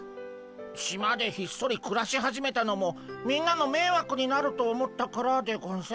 島でひっそりくらし始めたのもみんなのめいわくになると思ったからでゴンス。